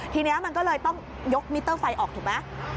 ทีนี้มันก็เลยต้องยกมิเตอร์ไฟออกถูกไหม